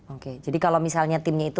oke jadi kalau misalnya timnya itu